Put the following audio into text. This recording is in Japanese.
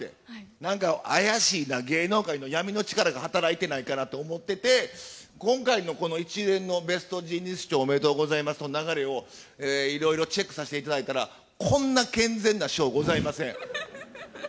なんか怪しいな、芸能界の闇の力が働いてないかなと思ってて、今回のこの一連のベストジーニスト賞おめでとうございますの流れをいろいろチェックさせていただいたら、こんな健全な賞ございません。